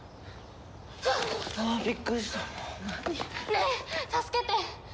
ねえ助けて！